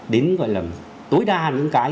đến gọi là tối đa những cái